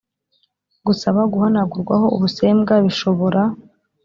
gusaba guhanagurwaho ubusembwa bishobora